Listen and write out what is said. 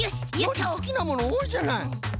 ノージーすきなものおおいじゃない。